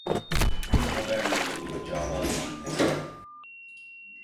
Bir haber yolladım canan iline…